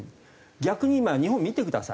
逆に今日本見てください。